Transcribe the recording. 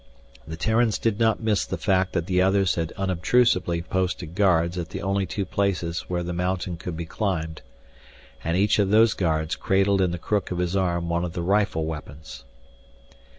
The Terrans did not miss the fact that the others had unobtrusively posted guards at the only two places where the mountain could be climbed. And each of those guards cradled in the crook of his arm one of the rifle weapons.